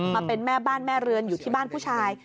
มาเป็นแม่บ้านแม่เรือนอยู่ที่บ้านผู้ชาย